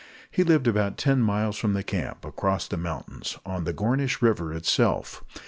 He lived about ten miles from the camp, across the mountains, on the Gornish River itself.